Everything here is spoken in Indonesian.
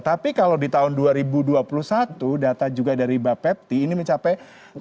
tapi kalau di tahun dua ribu dua puluh satu data juga dari bapepti ini mencapai